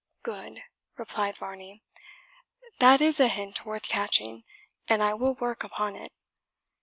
"Good!" replied Varney; "that is a hint worth catching, and I will work upon it.